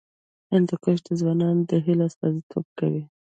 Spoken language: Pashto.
هندوکش د ځوانانو د هیلو استازیتوب کوي.